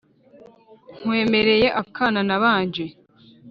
nkwemereye akana nabanje,